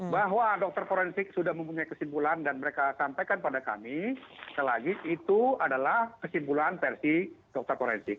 bahwa dokter forensik sudah mempunyai kesimpulan dan mereka sampaikan pada kami sekali lagi itu adalah kesimpulan versi dokter forensik